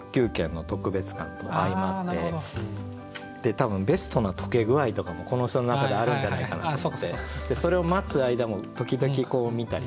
多分ベストな溶け具合とかもこの人の中であるんじゃないかなと思ってそれを待つ間も時々見たり。